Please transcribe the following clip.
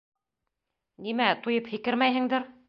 Нимә, туйып һикермәйһеңдер.